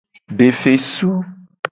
De fesu.